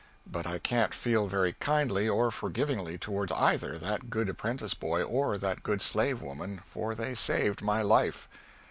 But I can't feel very kindly or forgivingly toward either that good apprentice boy or that good slave woman, for they saved my life.